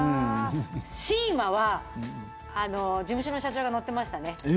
シーマは事務所の社長が乗ってましたね。